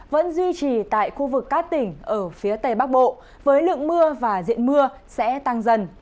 vẫn duy trì tại khu vực các tỉnh ở phía tây bắc bộ với lượng mưa và diện mưa sẽ tăng dần